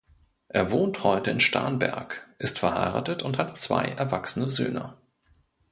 Er wohnt heute in Starnberg, ist verheiratet und hat zwei erwachsene Söhne.